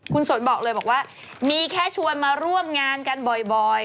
คุณสนบอกเลยบอกว่ามีแค่ชวนมาร่วมงานกันบ่อย